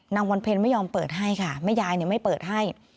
นางวันเพ็ญไม่ยอมเปิดให้ค่ะแม่ยายไม่เปิดให้